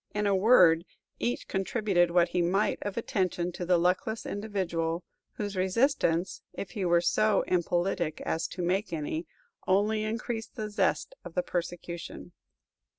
In a word, each contributed what he might of attention to the luckless individual, whose resistance if he were so impolitic as to make any only increased the zest of the persecution.